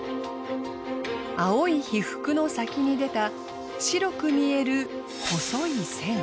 青い被覆の先に出た白く見える細い線。